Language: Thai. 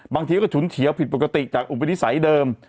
บางทีก็ฉุนเฉียวผิดปกติจากอุปนิสัยเดิม